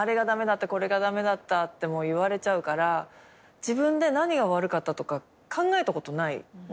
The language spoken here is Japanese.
これが駄目だったって言われちゃうから自分で何が悪かったとか考えたことない。